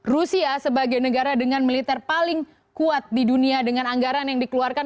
rusia sebagai negara dengan militer paling kuat di dunia dengan anggaran yang dikeluarkan